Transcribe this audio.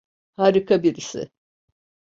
Harika birisi.